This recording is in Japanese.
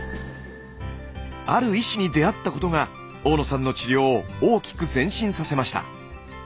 ある医師に出会ったことが大野さんの治療を大きく前進させました。